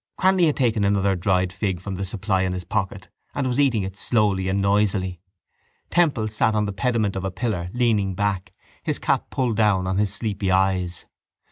Cranly had taken another dried fig from the supply in his pocket and was eating it slowly and noisily. Temple sat on the pediment of a pillar, leaning back, his cap pulled down on his sleepy eyes.